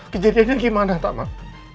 kejadiannya gimana tak mak